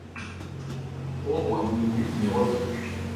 Ombre d'où nul n'est revenu